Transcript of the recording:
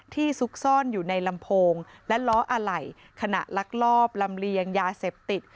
ซุกซ่อนอยู่ในลำโพงและล้ออะไหล่ขณะลักลอบลำเลียงยาเสพติด